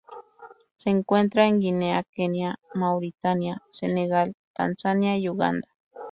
Se encuentra en Guinea, Kenia, Mauritania, Senegal, Tanzania y Uganda.